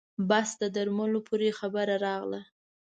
بس د درملو پورې خبره راغله.